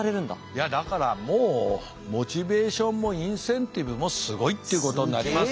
いやだからもうモチベーションもインセンティブもすごいっていうことになりますから。